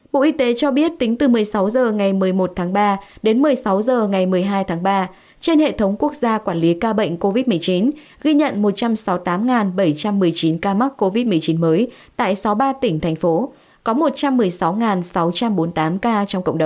bộ y tế cho biết tính từ một mươi sáu h ngày một mươi một tháng ba đến một mươi sáu h ngày một mươi hai tháng ba trên hệ thống quốc gia quản lý ca bệnh covid một mươi chín